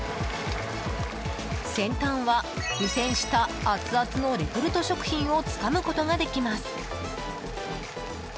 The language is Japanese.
先端は、湯せんしたアツアツのレトルト食品をつかむことができます。